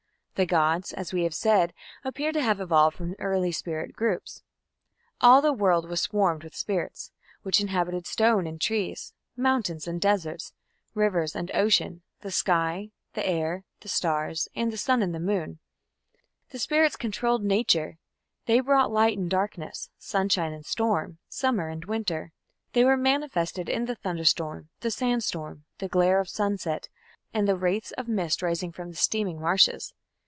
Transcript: The gods, as we have said, appear to have evolved from early spirit groups. All the world swarmed with spirits, which inhabited stones and trees, mountains and deserts, rivers and ocean, the air, the sky, the stars, and the sun and moon. The spirits controlled Nature: they brought light and darkness, sunshine and storm, summer and winter; they were manifested in the thunderstorm, the sandstorm, the glare of sunset, and the wraiths of mist rising from the steaming marshes.